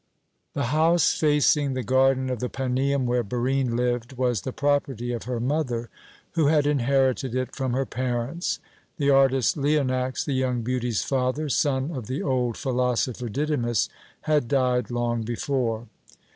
The house facing the garden of the Paneum, where Barine lived, was the property of her mother, who had inherited it from her parents. The artist Leonax, the young beauty's father, son of the old philosopher Didymus, had died long before.